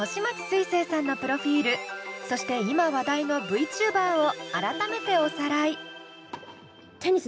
すいせいさんのプロフィールそして今話題のＶチューバーを改めておさらい。